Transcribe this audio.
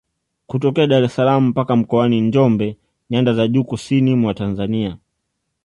Kutokea Dar es salaam mpaka Mkoani Njombe nyanda za juu kusini mwa Tanzania